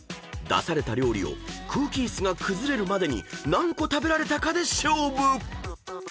［出された料理を空気椅子が崩れるまでに何個食べられたかで勝負］